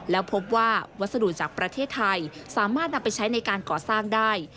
แล้วพบว่าวัสดุจากประเทศไทยสามารถนำไปใช้ในการก่อสร้างได้